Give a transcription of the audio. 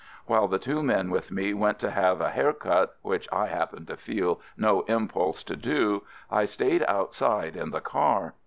While the two men with me went to have a hair cut, which I happened to feel no impulse to do, I stayed outside in the car.